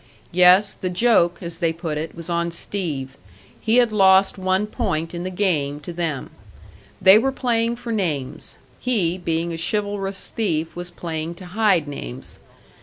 Yes, the joke, as they put it, was on Steve. He had lost one point in the game to them. They were playing for names. He, being a chivalrous thief, was playing to hide names.